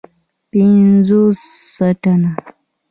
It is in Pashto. پینځوس سنټه